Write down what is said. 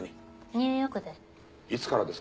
ニューヨークです。